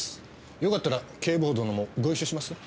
よかったら警部補殿もご一緒します？